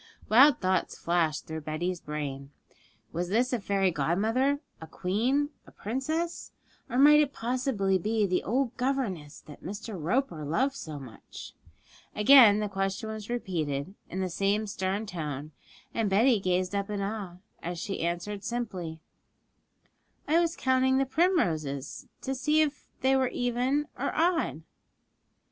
Wild thoughts flashed through Betty's brain. Was this a fairy godmother, a queen, a princess? Or might it possibly be the old governess that Mr. Roper loved so much? Again the question was repeated, in the same stern tone, and Betty gazed up in awe, as she answered simply, 'I was counting the primroses, to see if they were even or odd.'